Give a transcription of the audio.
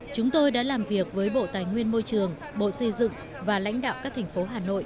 chúng tôi đã làm việc với bộ tài nguyên môi trường bộ xây dựng và lãnh đạo các thành phố hà nội